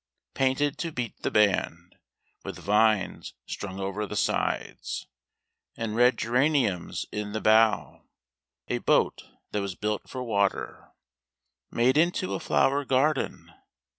Painted to beat the band, with vines strung over the sides And red geraniums in the bow, a boat that was built for water Made into a flower garden.